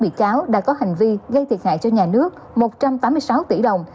viện kiểm soát đã có hành vi gây thiệt hại cho nhà nước một trăm tám mươi sáu tỷ đồng